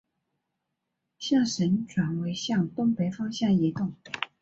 象神转为向东北方向移动。